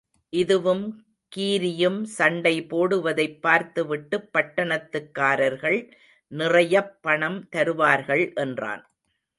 இதுவும், கீரியும் சண்டை போடுவதைப் பார்த்துவிட்டுப் பட்டணத்துக்காரர்கள் நிறையப் பணம் தருவார்கள் என்றான்.